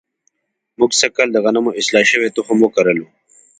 موږ سږ کال د غنمو اصلاح شوی تخم وکرلو.